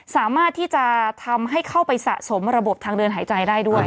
สามารถที่จะทำให้เข้าไปสะสมระบบทางเดินหายใจได้ด้วย